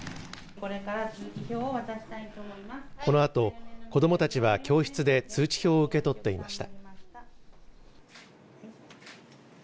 このあと、子どもたちは教室で通知表を受け取っていました。